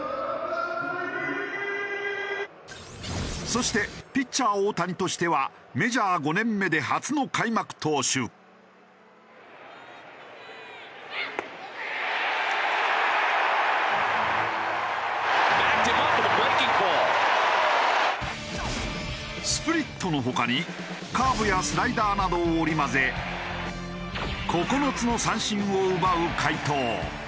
そしてピッチャー大谷としてはメジャー５年目でスプリットの他にカーブやスライダーなどを織り交ぜ９つの三振を奪う快投。